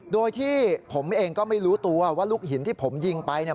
โดยที่ผมเองก็ไม่รู้ตัวว่าลูกหินที่ผมยิงไปเนี่ย